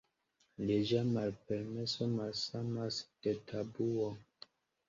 Leĝa malpermeso malsamas de tabuo.